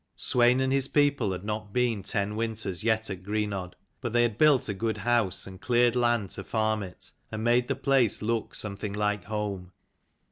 jSwein and his people had not been ten winters yet at Greenodd ; but they had built a good house, and cleared land to farm it, and made the place look something like home.